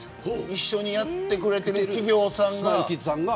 一緒にやってくれてる企業さんが。